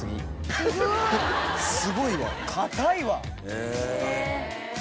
すごいわ硬いわ！